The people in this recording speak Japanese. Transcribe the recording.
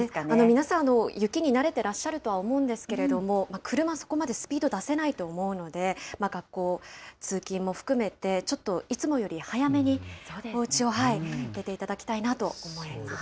皆さん、雪に慣れてらっしゃるとは思うんですけど、車そこまでスピード出せないと思うので、学校、通勤も含めて、ちょっといつもより早めにおうちを出ていただきたいなと思います。